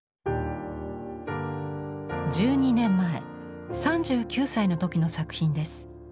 １２年前３９歳の時の作品です。